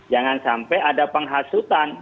jangan sampai ada penghasutan